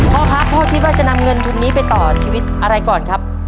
พ่อครับพ่อคิดว่าจะนำเงินทุนนี้ไปต่อชีวิตอะไรก่อนครับ